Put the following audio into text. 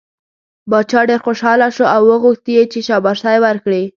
باچا ډېر خوشحاله شو او وغوښت یې چې شاباسی ورکړي.